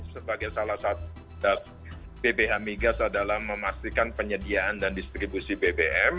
sebagai salah satu bbh migas adalah memastikan penyediaan dan distribusi bbm